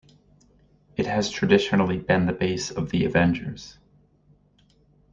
It has traditionally been the base of the Avengers.